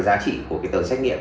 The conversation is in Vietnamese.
giá trị của tờ xét nghiệm